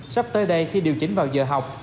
sắp tới đây khi điều chỉnh vào giờ học